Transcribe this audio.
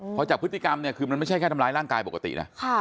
เพราะจากพฤติกรรมเนี่ยคือมันไม่ใช่แค่ทำร้ายร่างกายปกตินะ